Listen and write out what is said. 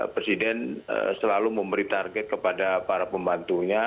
presiden selalu memberi target kepada para pembantunya